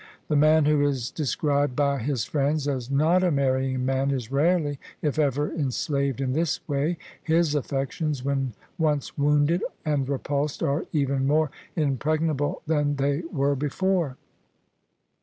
The man who is described by his friends as " not a marrying man " is rarely, if ever, enslaved in this way; his affections, when once wounded and repulsed, are even more impregnable than they were before.